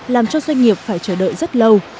làm cho doanh nghiệp phải chờ đợi rất lâu